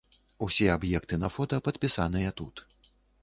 Усе аб'екты на фота падпісаныя тут.